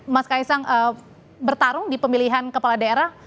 mas kaisang bertarung di pemilihan kepala daerah